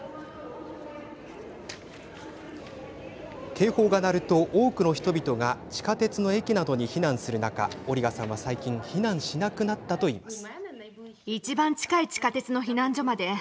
警報が鳴ると、多くの人々が地下鉄の駅などに避難する中オリガさんは最近避難しなくなったといいます。